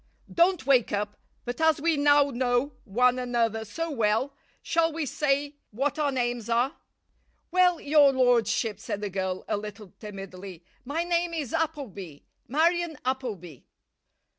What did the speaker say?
"Don't wake up. But as we now know one another so well shall we say what our names are?" "Well, your lordship," said the girl, a little timidly, "my name is Appleby Marion Appleby."